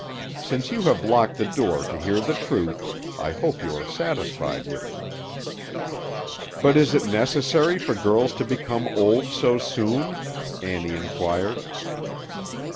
Since you have locked the door to hear the truth, I hope you are satisfied with it." "But is it necessary for girls to become old so soon?" Annie inquired.